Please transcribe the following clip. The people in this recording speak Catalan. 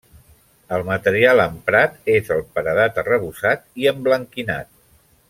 El material emprat és el paredat arrebossat i emblanquinat.